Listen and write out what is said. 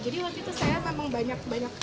jadi waktu itu saya memang banyak banyak